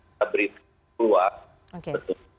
kita beri perbuatan